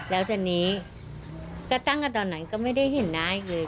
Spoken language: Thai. แล้วทีนี้ก็ตั้งกันตอนไหนก็ไม่ได้เห็นหน้าอีกเลย